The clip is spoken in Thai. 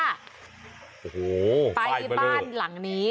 โอ้โหไปบ้านหลังนี้